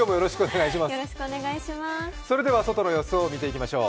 それでは外の様子を見ていきましょう。